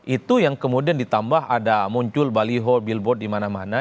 itu yang kemudian ditambah ada muncul baliho billboard di mana mana